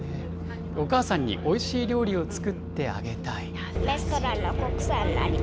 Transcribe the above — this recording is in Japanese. お母さんにおいしい料理を作ってあげたい。